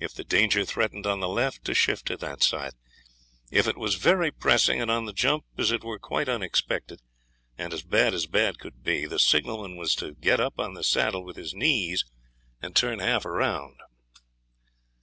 If the danger threatened on the left, to shift to that side. If it was very pressing and on the jump, as it were, quite unexpected, and as bad as bad could be, the signalman was to get up on the saddle with his knees and turn half round.